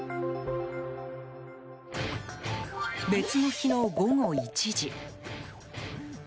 別の日の午後１時。